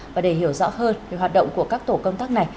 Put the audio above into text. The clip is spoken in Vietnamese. và để hiểu rõ hơn về hoạt động của các tổ công tác này